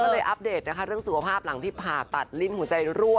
ไหลอัพเดทเรื่องสุดภาพเหล่าตัดรินหัวใจรั่ว